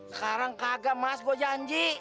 sekarang kagak mas gue janji